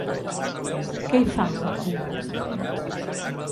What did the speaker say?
Què hi fas, aquí?